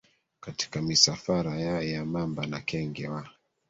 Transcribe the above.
katika misafara ya ya mamba na kenge wa